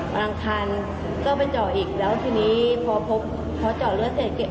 อังคารก็ไปเจาะอีกแล้วทีนี้พอพบพอเจาะเลือดเสร็จ